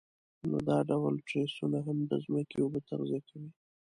نو دا ډول تریسونه هم د ځمکې اوبه تغذیه کوي.